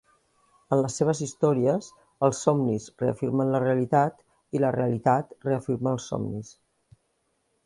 En les seves històries, els somnis reafirmen la realitat i la realitat reafirma els somnis.